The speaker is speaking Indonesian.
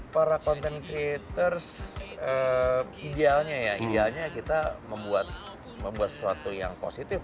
para content creators idealnya ya idealnya kita membuat sesuatu yang positif